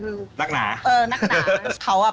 นักหนาเออนักหนา